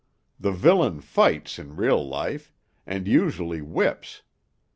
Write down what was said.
The villain fights in real life, and usually whips.